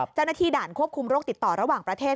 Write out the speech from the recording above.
เจ้าหน้าที่ด่านควบคุมโรคติดต่อระหว่างประเทศ